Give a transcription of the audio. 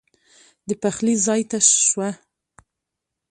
د پخلي ځای ته شوه.